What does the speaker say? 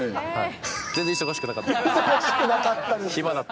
忙しくなかった。